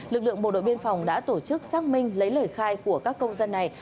lực lượng bộ đội biên phòng đã tổ chức xác minh lấy lời khai của các công dân này